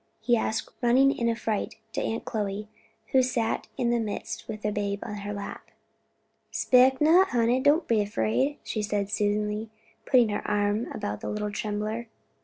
he asked, running in affright to Aunt Chloe, who sat in their midst with the babe on her lap. "Spect not, honey; don't be 'fraid," she said soothingly, putting her arm about the little trembler.